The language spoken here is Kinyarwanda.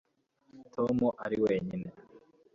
Tom ari wenyine